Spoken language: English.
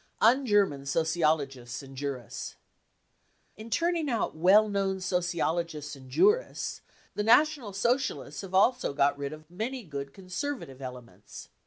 Un German 59 Sociologists and Jurists. In turning out well known sociologists and jurists the National Socialists have also got rid of many good conservative elements.